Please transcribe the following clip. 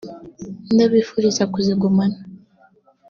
ndabifuriza kuzigumana